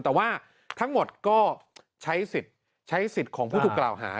แต่ว่าทั้งหมดก็ใช้สิทธิ์ใช้สิทธิ์ของผู้ถูกกล่าวหา